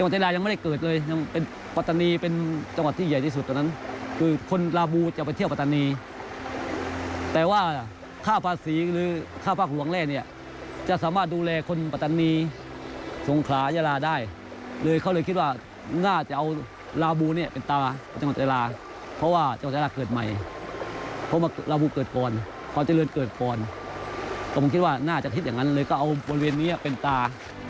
ตรงคิดว่าน่าจะคิดอย่างนั้นเลยก็เอาบริเวณนี้เป็นตา